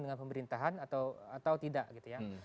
dengan pemerintahan atau tidak gitu ya